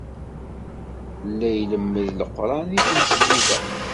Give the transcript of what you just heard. La ilemmed Leqran deg tmesgida.